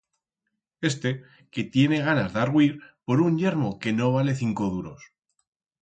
Éste, que tiene gana d'argüir por un yermo que no vale cinco duros...